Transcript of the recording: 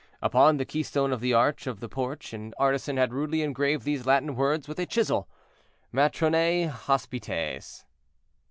Upon the keystone of the arch of the porch an artisan had rudely engraved these Latin words with a chisel:— MATRONÆ HOSPITES.